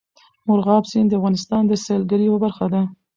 مورغاب سیند د افغانستان د سیلګرۍ یوه برخه ده.